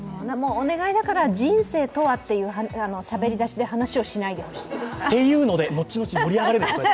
お願いだから人生とはというしゃべり出しで話をしないでほしい。っていうので後々盛り上がれるんです。